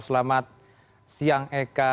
selamat siang eka